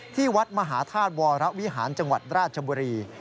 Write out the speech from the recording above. ที่วัดมหาธาตุวรวิหารจังหวัดราชบุรี